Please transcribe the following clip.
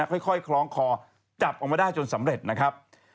ทุกขั้นความต่างขอจับลงมาได้จนสำเร็จนะครับ